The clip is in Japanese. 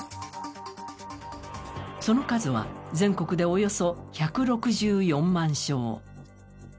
その数は、全国でおよそ１６４万床。